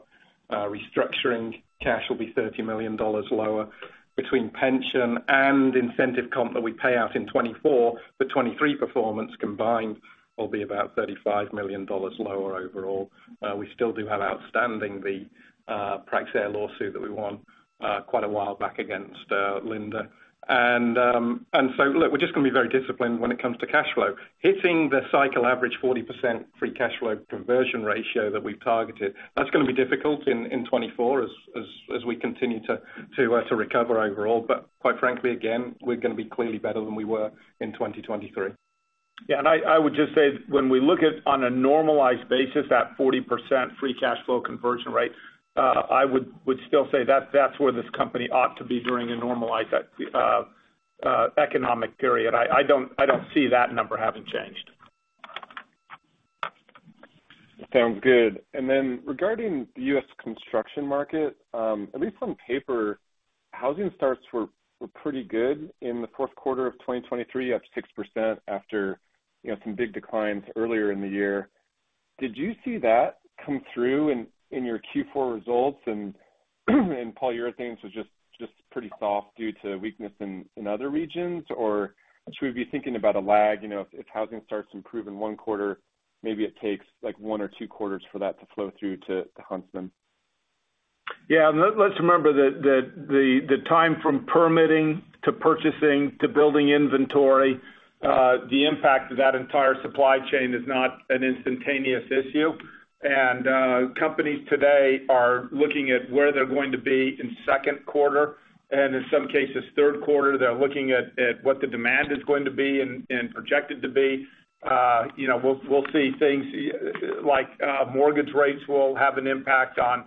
Restructuring cash will be $30 million lower. Between pension and incentive comp that we pay out in 2024, the 2023 performance combined will be about $35 million lower overall. We still do have outstanding the Praxair lawsuit that we won quite a while back against Linde. And so look, we're just gonna be very disciplined when it comes to cash flow. Hitting the cycle average 40% free cash flow conversion ratio that we've targeted, that's gonna be difficult in 2024 as we continue to recover overall. But quite frankly, again, we're gonna be clearly better than we were in 2023. Yeah, and I would just say when we look at on a normalized basis, that 40% free cash flow conversion rate, I would still say that's where this company ought to be during a normalized economic period. I don't see that number having changed. Sounds good. Then regarding the US construction market, at least on paper, housing starts were pretty good in the fourth quarter of 2023, up 6% after, you know, some big declines earlier in the year. Did you see that come through in your Q4 results? And Polyurethanes was just pretty soft due to weakness in other regions? Or should we be thinking about a lag, you know, if housing starts to improve in one quarter, maybe it takes, like, one or two quarters for that to flow through to Huntsman? Yeah, let's remember that the time from permitting to purchasing to building inventory, the impact of that entire supply chain is not an instantaneous issue. And, companies today are looking at where they're going to be in second quarter, and in some cases, third quarter. They're looking at what the demand is going to be and projected to be. You know, we'll see things like, mortgage rates will have an impact on,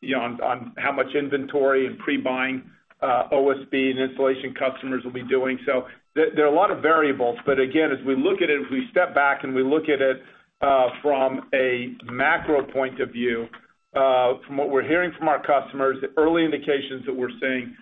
you know, on how much inventory and pre-buying, OSB and installation customers will be doing. So there, there are a lot of variables, but again, as we look at it, as we step back and we look at it, from a macro point of view, from what we're hearing from our customers, the early indications that we're seeing,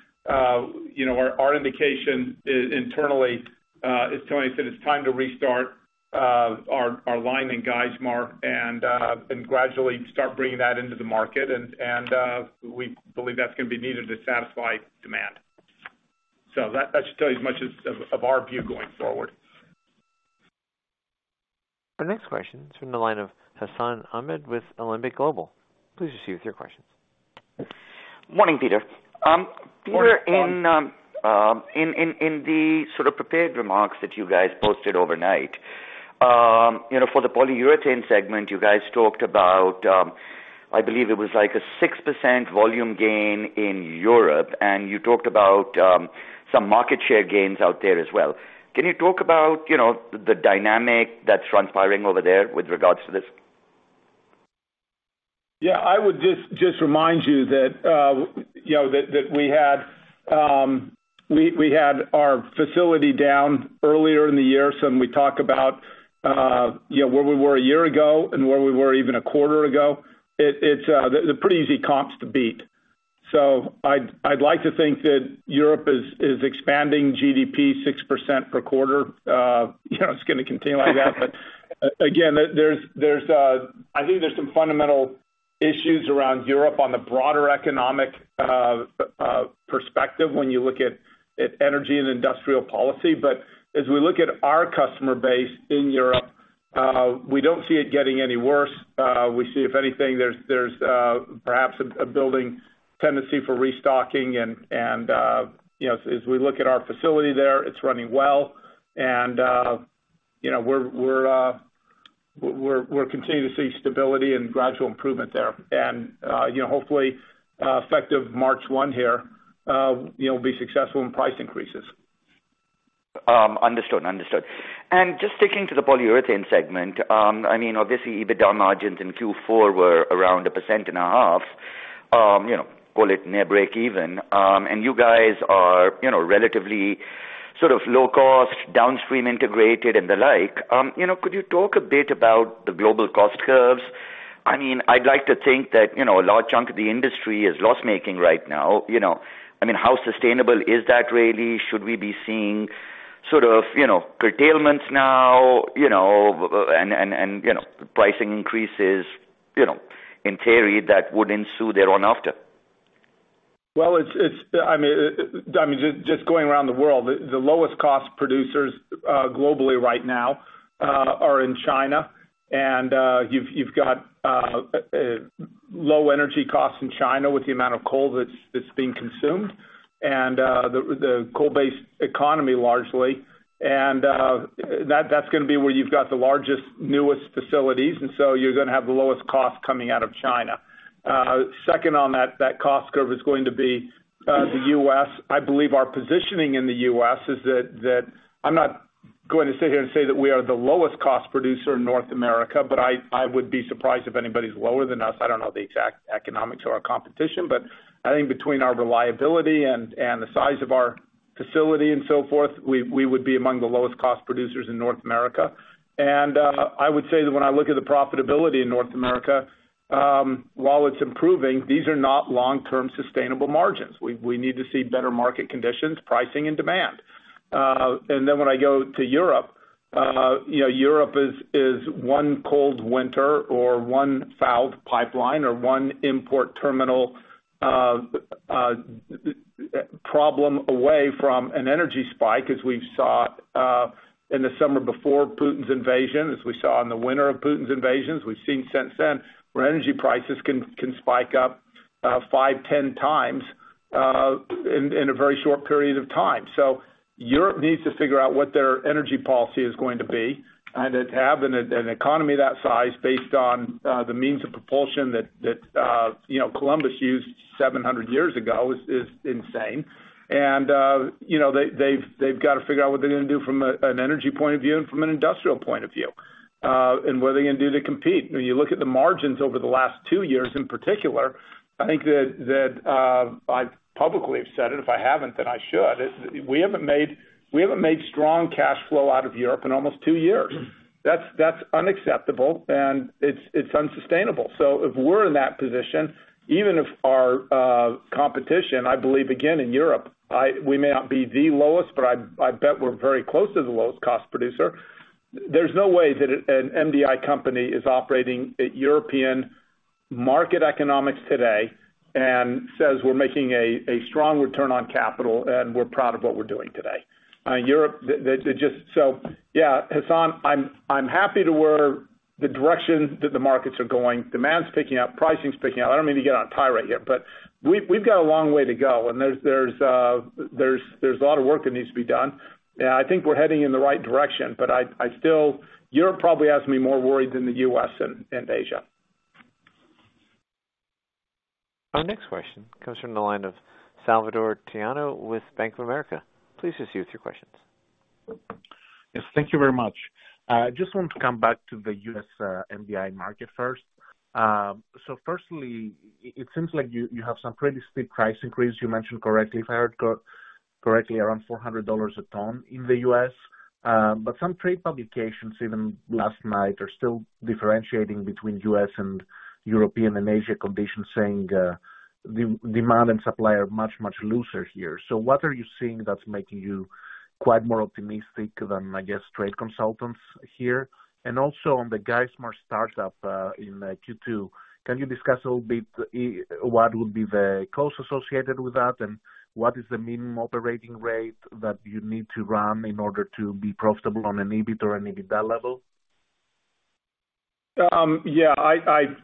you know, our, our indication internally, is telling us that it's time to restart, our, our line in Geismar and, and gradually start bringing that into the market. And, and, we believe that's gonna be needed to satisfy demand. So that, that should tell you as much as, of, of our view going forward. The next question is from the line of Hassan Ahmed with Alembic Global Advisors. Please proceed with your questions. Morning, Peter. Morning, Hassan. In the sort of prepared remarks that you guys posted overnight, you know, for the Polyurethane segment, you guys talked about, I believe it was like a 6% volume gain in Europe, and you talked about some market share gains out there as well. Can you talk about, you know, the dynamic that's transpiring over there with regards to this? Yeah, I would just, just remind you that, you know, that, that we had, we, we had our facility down earlier in the year. So when we talk about, you know, where we were a year ago and where we were even a quarter ago, it, it's, they're pretty easy comps to beat. So I'd, I'd like to think that Europe is, is expanding GDP 6% per quarter. You know, it's gonna continue like that. But again, there's, there's, I think there's some fundamental issues around Europe on the broader economic, perspective when you look at, at energy and industrial policy. But as we look at our customer base in Europe, we don't see it getting any worse. We see if anything, there's perhaps a building tendency for restocking and, you know, as we look at our facility there, it's running well. You know, we're continuing to see stability and gradual improvement there. You know, hopefully, effective March 1 here, we'll be successful in price increases. Understood. Understood. And just sticking to the Polyurethane segment, I mean, obviously, EBITDA margins in Q4 were around 1.5%. You know, call it near breakeven. And you guys are, you know, relatively sort of low cost, downstream integrated and the like. You know, could you talk a bit about the global cost curves? I mean, I'd like to think that, you know, a large chunk of the industry is loss-making right now, you know. I mean, how sustainable is that really? Should we be seeing sort of, you know, curtailments now, you know, and, you know, pricing increases, you know, in theory, that would ensue there on after? Well, it's, I mean, just going around the world, the lowest cost producers globally right now are in China. And, you've got low energy costs in China with the amount of coal that's being consumed and the coal-based economy largely, and that's gonna be where you've got the largest, newest facilities, and so you're gonna have the lowest cost coming out of China. Second on that cost curve is going to be the U.S. I believe our positioning in the U.S. is that I'm not going to sit here and say that we are the lowest cost producer in North America, but I would be surprised if anybody's lower than us. I don't know the exact economics of our competition, but I think between our reliability and the size of our facility and so forth, we would be among the lowest cost producers in North America. I would say that when I look at the profitability in North America, while it's improving, these are not long-term sustainable margins. We need to see better market conditions, pricing, and demand. And then when I go to Europe, you know, Europe is one cold winter or one fouled pipeline or one import terminal problem away from an energy spike, as we've saw in the summer before Putin's invasion, as we saw in the winter of Putin's invasions, we've seen since then, where energy prices can spike up 5-10x in a very short period of time. So Europe needs to figure out what their energy policy is going to be, and to have an economy that size based on the means of propulsion that you know Columbus used 700 years ago is insane. And you know they've got to figure out what they're gonna do from an energy point of view and from an industrial point of view and what are they gonna do to compete? When you look at the margins over the last 2 years, in particular, I think that I've publicly have said it, if I haven't, then I should. We haven't made strong cash flow out of Europe in almost 2 years. That's unacceptable, and it's unsustainable. So if we're in that position, even if our competition, I believe, again, in Europe, we may not be the lowest, but I, I bet we're very close to the lowest cost producer. There's no way that an MDI company is operating at European market economics today and says we're making a strong return on capital, and we're proud of what we're doing today. Europe just so, yeah, Hassan, I'm happy to where the direction that the markets are going. Demand's picking up, pricing's picking up. I don't mean to get on a tirade here, but we've got a long way to go, and there's a lot of work that needs to be done. And I think we're heading in the right direction, but I, I still—Europe probably has me more worried than the U.S. and Asia. Our next question comes from the line of Salvator Tiano with Bank of America. Please proceed with your questions. Yes, thank you very much. I just want to come back to the U.S., MDI market first. So firstly, it seems like you, you have some pretty steep price increase. You mentioned correctly, if I heard correctly, around $400 a ton in the U.S. But some trade publications, even last night, are still differentiating between U.S. and European and Asia conditions, saying, the demand and supply are much, much looser here. So what are you seeing that's making you quite more optimistic than, I guess, trade consultants here? And also, on the Geismar startup, in Q2, can you discuss a little bit, what would be the costs associated with that, and what is the minimum operating rate that you need to run in order to be profitable on an EBIT or an EBITDA level? Yeah,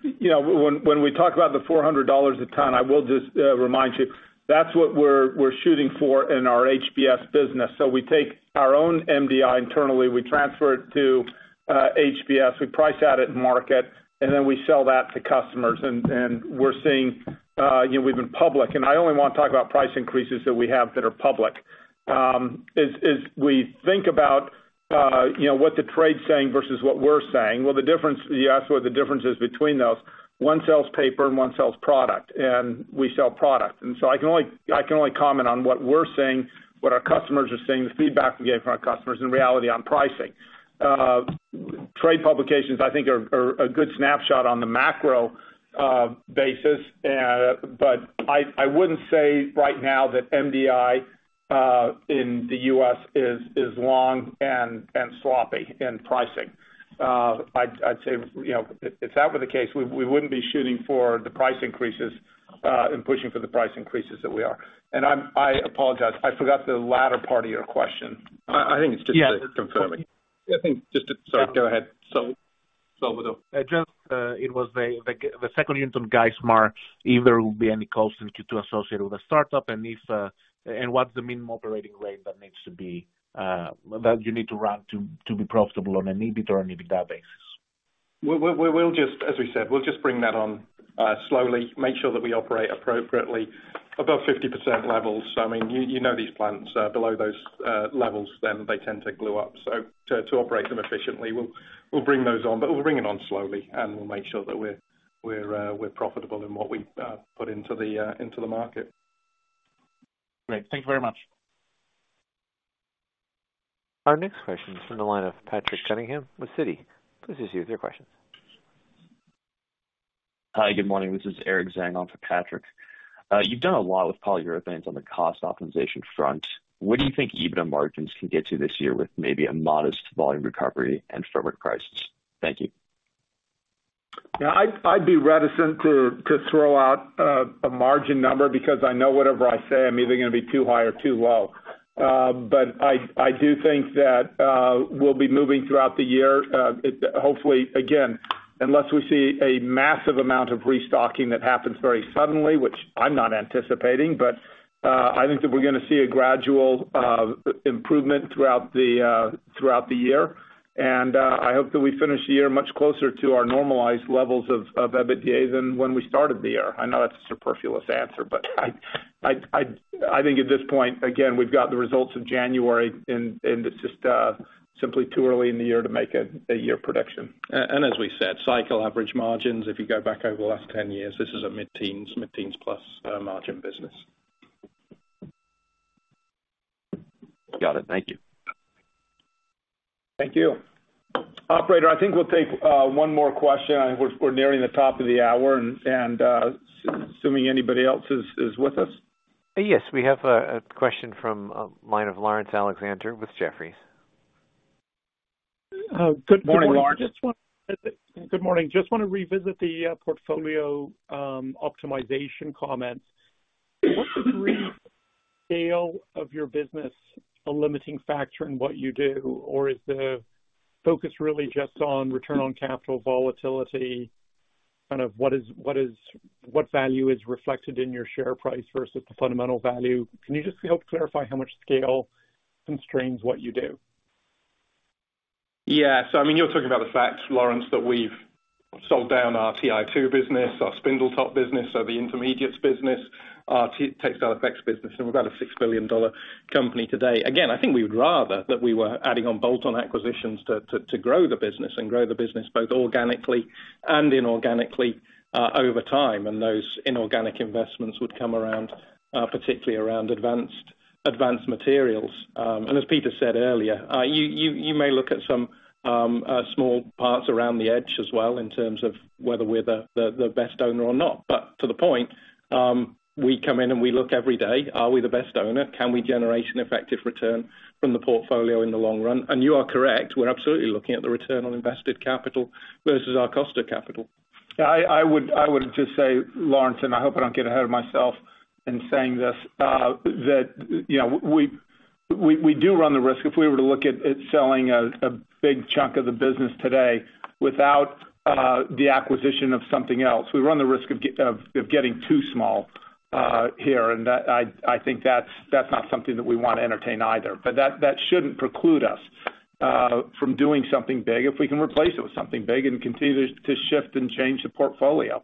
you know, when we talk about the $400 a ton, I will just remind you, that's what we're shooting for in our HBS business. So we take our own MDI internally, we transfer it to HBS, we price out at market, and then we sell that to customers. We're seeing, you know, we've been public, and I only want to talk about price increases that we have that are public. As we think about, you know, what the trade's saying versus what we're saying, well, the difference—you asked what the difference is between those. One sells paper and one sells product, and we sell product. I can only, I can only comment on what we're seeing, what our customers are seeing, the feedback we get from our customers, in reality, on pricing. Trade publications, I think are, are a good snapshot on the macro basis. But I wouldn't say right now that MDI in the U.S. is long and sloppy in pricing. I'd say, you know, if that were the case, we wouldn't be shooting for the price increases and pushing for the price increases that we are. And I apologize, I forgot the latter part of your question. I think it's just confirming. Yeah. I think just to—sorry, go ahead, Salvator. Just, it was the second unit on Geismar, if there will be any costs associated with the startup, and what's the minimum operating rate that needs to be, that you need to run to be profitable on an EBIT or an EBITDA basis? As we said, we'll just bring that on slowly, make sure that we operate appropriately above 50% levels. I mean, you know these plants below those levels, then they tend to glue up. So to operate them efficiently, we'll bring those on, but we'll bring it on slowly, and we'll make sure that we're profitable in what we put into the market. Great. Thank you very much. Our next question is from the line of Patrick Cunningham with Citi. Please proceed with your question. Hi, good morning. This is Eric Zhang on for Patrick. You've done a lot with Polyurethanes on the cost optimization front. What do you think EBITDA margins can get to this year with maybe a modest volume recovery and firmer prices? Thank you. Yeah, I'd be reticent to throw out a margin number because I know whatever I say, I'm either going to be too high or too low. But I do think that we'll be moving throughout the year, hopefully, again, unless we see a massive amount of restocking that happens very suddenly, which I'm not anticipating, but I think that we're gonna see a gradual improvement throughout the year. And I hope that we finish the year much closer to our normalized levels of EBITDA than when we started the year. I know that's a superfluous answer, but I think at this point, again, we've got the results of January, and it's just simply too early in the year to make a year prediction. And as we said, cycle average margins, if you go back over the last 10 years, this is a mid-teens, mid-teens plus, margin business. Got it. Thank you. Thank you. Operator, I think we'll take one more question. I think we're nearing the top of the hour, and assuming anybody else is with us? Yes, we have a question from line of Laurence Alexander with Jefferies. Good morning. Morning, Lawrence. Good morning. Just want to revisit the portfolio optimization comments. Was the scale of your business a limiting factor in what you do? Or is the focus really just on return on capital volatility? Kind of what value is reflected in your share price versus the fundamental value? Can you just help clarify how much scale constrains what you do? Yeah. So I mean, you're talking about the fact, Lawrence, that we've sold down our TiO2 business, our Spindletop business, so the Intermediates business, our Textile Effects business, and we've got a $6 billion company today. Again, I think we would rather that we were adding on bolt-on acquisitions to grow the business and grow the business both organically and inorganically over time. And those inorganic investments would come around particularly around Advanced Materials. And as Peter said earlier, you may look at some small parts around the edge as well in terms of whether we're the best owner or not. But to the point, we come in and we look every day, are we the best owner? Can we generate an effective return from the portfolio in the long run? You are correct, we're absolutely looking at the return on invested capital versus our cost of capital. I would just say, Lawrence, and I hope I don't get ahead of myself in saying this, that, you know, we do run the risk, if we were to look at selling a big chunk of the business today without the acquisition of something else, we run the risk of getting too small here, and I think that's not something that we want to entertain either. But that shouldn't preclude us from doing something big if we can replace it with something big and continue to shift and change the portfolio.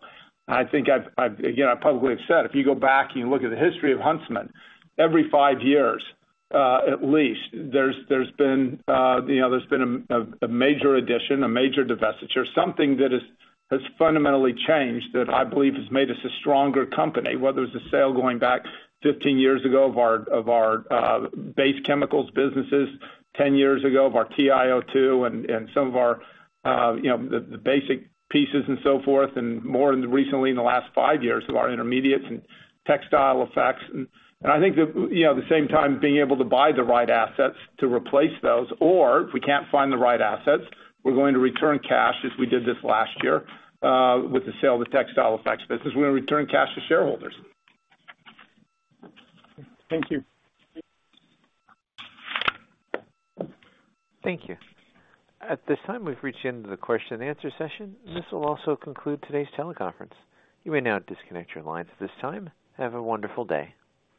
I think I've again, I probably have said, if you go back and you look at the history of Huntsman, every 5 years, at least there's been, you know, there's been a major addition, a major divestiture, something that has fundamentally changed that I believe has made us a stronger company, whether it's a sale going back 15 years ago of our Base Chemicals businesses, 10 years ago, of our TiO2 and some of our, you know, the basic pieces and so forth, and more recently in the last 5 years of our intermediates and Textile Effects. I think that, you know, at the same time, being able to buy the right assets to replace those, or if we can't find the right assets, we're going to return cash, as we did this last year, with the sale of the Textile Effects business. We're going to return cash to shareholders. Thank you. Thank you. At this time, we've reached the end of the question and answer session. This will also conclude today's teleconference. You may now disconnect your lines at this time. Have a wonderful day.